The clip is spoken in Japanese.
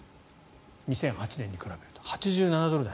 ２００８年に比べると８７ドル台。